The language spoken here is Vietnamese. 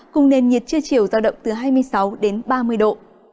cùng nền nhiệt chưa chiều giao động từ hai mươi sáu đến ba mươi độ